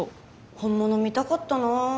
本物見たかったな。